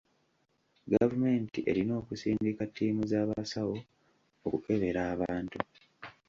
Gavumenti erina okusindika ttiimu z'abasawo okukebera abantu.